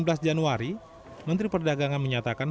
selasa delapan belas januari menteri perdagangan menyatakan